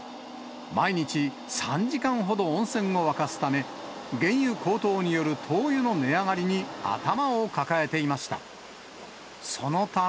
毎日、３時間ほど温泉を沸かすため、原油高騰による灯油の値上がりに頭を抱えていました。